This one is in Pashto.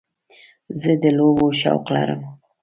زه د لوبو شوق لرم.